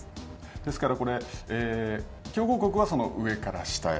ですから、強豪国は上から下へ。